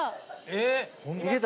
えっ？